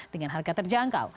dengan harga terjangkau